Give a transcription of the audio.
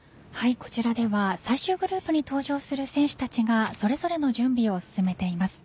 こちらでは最終グループに登場する選手たちがそれぞれの準備を進めています。